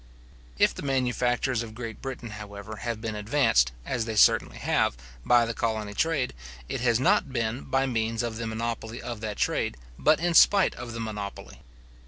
If the manufactures of Great Britain, however, have been advanced, as they certainly have, by the colony trade, it has not been by means of the monopoly of that trade, but in spite of the monopoly.